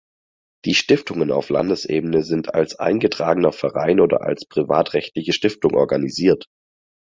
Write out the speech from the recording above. Die Stiftungen auf Landesebene sind als eingetragener Verein oder als privatrechtliche Stiftung organisiert.